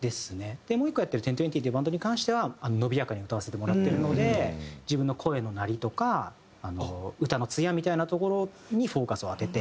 でもう１個やってるＸＩＩＸというバンドに関しては伸びやかに歌わせてもらってるので自分の声の鳴りとか歌のつやみたいなところにフォーカスを当てて。